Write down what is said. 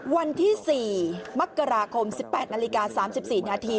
วันที่๔มกราคม๑๘นาฬิกา๓๔นาที